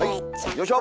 よいしょ！